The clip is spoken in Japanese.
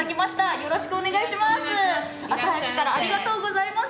よろしくお願いします。